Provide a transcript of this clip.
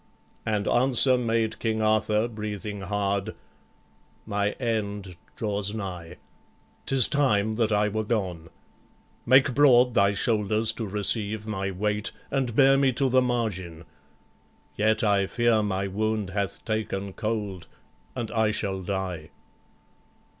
And answer made King Arthur, breathing hard: "My end draws nigh; 't is time that I were gone. Make broad thy shoulders to receive my weight, And bear me to the margin; yet I fear My wound hath taken cold, and I shall die."